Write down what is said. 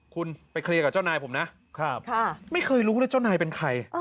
คุณไปเคลียร์กับเจ้านายผมนะไม่เคยรู้เลยเจ้านายเป็นใคร